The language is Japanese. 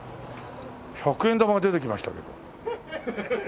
百円玉が出てきましたけど。